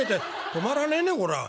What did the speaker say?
止まらねえねこりゃ」。